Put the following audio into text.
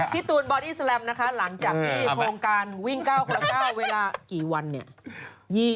ตูนบอดี้แลมนะคะหลังจากที่โครงการวิ่ง๙คนละ๙เวลากี่วันเนี่ย